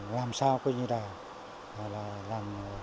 làm sao có như là